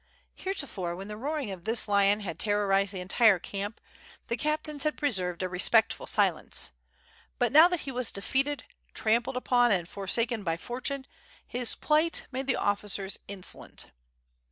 • Heretofore when the roaring of this lion had terrorized the entire camp, the captains had preserved a respectful silence; but now that he was defeated, trampled upon, and forsaken by fortune, his plight made the officers insolent.